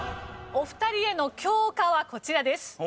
お二人への教科はこちらです。